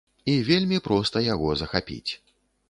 І вельмі проста яго захапіць.